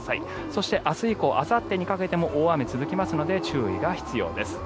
そして、明日以降あさってにかけても大雨が続きますので注意が必要です。